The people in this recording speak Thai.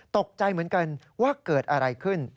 ตกใจเหมือนกันว่าเกิดอะไรขึ้น